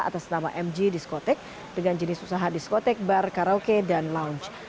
atas nama mg diskotek dengan jenis usaha diskotek bar karaoke dan lounge